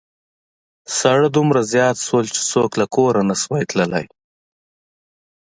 ساړه دومره زيات شول چې څوک له کوره نشوای تللای.